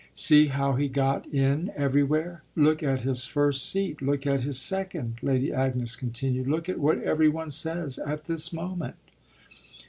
See how he got in everywhere. Look at his first seat look at his second," Lady Agnes continued. "Look at what every one says at this moment."